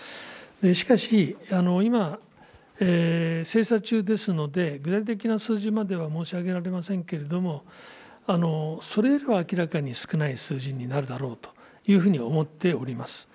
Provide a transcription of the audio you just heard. しかし、今、精査中ですので、具体的な数字までは申し上げられませんけれども、それよりは明らかに少ない数字になるだろうと思っております。